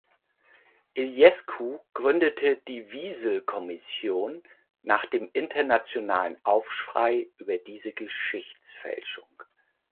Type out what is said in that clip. Iliescu gründete die Wiesel-Kommission nach dem internationalen Aufschrei über diese Geschichtsfälschung.